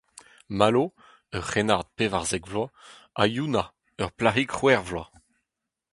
Malo, ur c’hrennard pevarzek vloaz, ha Yuna, ur plac’hig c’hwec’h vloaz.